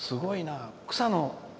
すごいね。